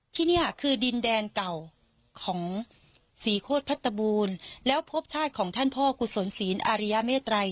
ที่นี่คือดินแดนเก่าของศรีโคตรพัตบูรณ์แล้วพบชาติของท่านพ่อกุศลศีลอาริยเมตรัย